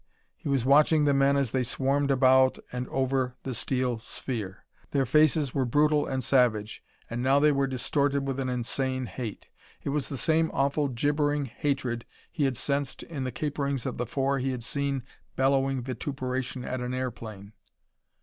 He was watching the men as they swarmed about and over the steel sphere. Their faces were brutal and savage, and now they were distorted with an insane hate. It was the same awful, gibbering hatred he had sensed in the caperings of the four he had seen bellowing vituperation at an airplane.